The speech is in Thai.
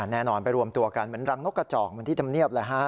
แน่นอนไปรวมตัวกันเหมือนรังนกกระจอกเหมือนที่ทำเนียบเลยฮะ